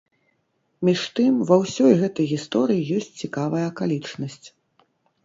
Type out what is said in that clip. Між тым, ва ўсёй гэтай гісторыі ёсць цікавая акалічнасць.